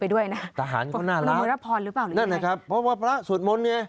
แต่ว่าทหารก็ยอมถอยกำลัง